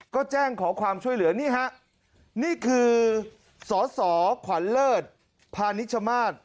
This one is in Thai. ก็แจ้งขอความช่วยเหลือนี่ฮะนี่คือสสขวัญเลิศพานิชมาศ